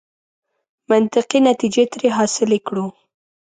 منطقي نتیجې ترې حاصلې کړو.